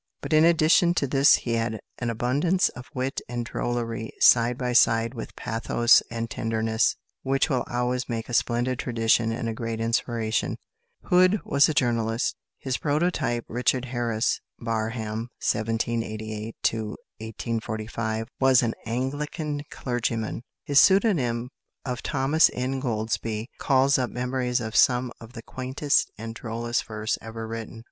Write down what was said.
But in addition to this he had an abundance of wit and drollery side by side with pathos and tenderness, which will always make a splendid tradition and a great inspiration. Hood was a journalist. His prototype, =Richard Harris Barham (1788 1845)=, was an Anglican clergyman. His pseudonym of Thomas Ingoldsby calls up memories of some of the quaintest and drollest verse ever written.